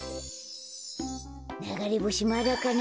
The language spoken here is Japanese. ながれぼしまだかな。